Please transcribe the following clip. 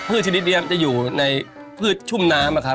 ชนิดนี้จะอยู่ในพืชชุ่มน้ำนะครับ